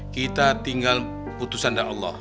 kita tinggal putusan dari allah